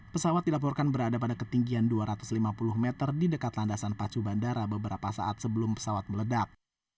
pesawat dilaporkan berada pada ketinggian dua ratus lima puluh meter di dekat landasan pacu bandara beberapa saat sebelum pesawat meledak